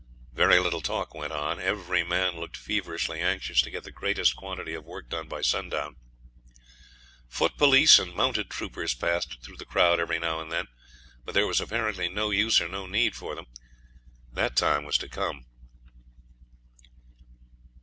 Very little talk went on; every man looked feverishly anxious to get the greatest quantity of work done by sundown. Foot police and mounted troopers passed through the crowd every now and then, but there was apparently no use or no need for them; that time was to come.